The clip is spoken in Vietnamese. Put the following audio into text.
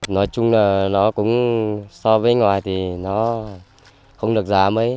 nói chung là nó cũng so với ngoài thì nó không được giá mấy